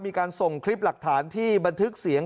มีการส่งคลิปหลักฐานที่บันทึกเสียง